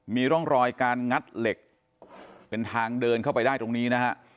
มีร่องรอยการงัดเหล็กเป็นทางเดินเข้าไปได้ตรงนี้นะฮะ